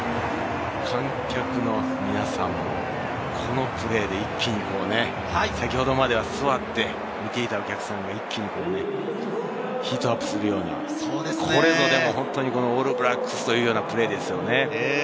観客の皆さんも、このプレーで、一気に先ほどまでは座って見ていたお客さんがヒートアップするような、これぞオールブラックスというようなプレーですよね。